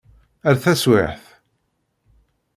Ar taswiɛt.